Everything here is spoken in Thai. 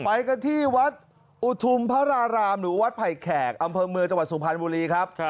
ไปกันที่วัดอุทุมพระรารามหรือวัดไผ่แขกอำเภอเมืองจังหวัดสุพรรณบุรีครับ